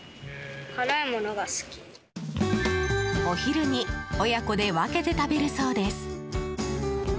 お昼に親子で分けて食べるそうです。